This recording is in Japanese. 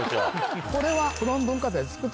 これは。